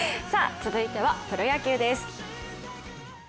続いてはプロ野球です。